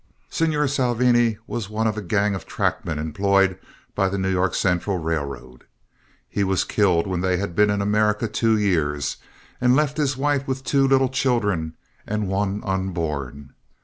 Signor Salvini was one of a gang of trackmen employed by the New York Central Railroad. He was killed when they had been in America two years, and left his wife with two little children and one unborn.